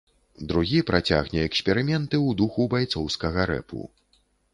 Другі працягне эксперыменты ў духу байцоўскага рэпу.